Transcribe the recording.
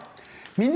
「みんな！